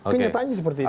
kenyataannya seperti itu